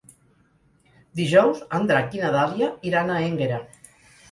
Dijous en Drac i na Dàlia iran a Énguera.